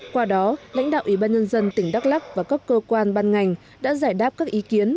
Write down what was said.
qua đó lãnh đạo ủy ban nhân dân tỉnh đắk lắc và các cơ quan ban ngành đã giải đáp các ý kiến